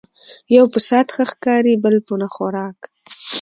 ـ يو په سعت ښه ښکاري بل په نه خوراک